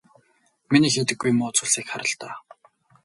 Миний хийдэггүй муу зүйлсийг хар л даа.